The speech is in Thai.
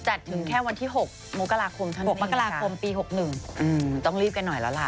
ถึงแค่วันที่๖มกราคมเท่านั้น๖มกราคมปี๖๑ต้องรีบกันหน่อยแล้วล่ะ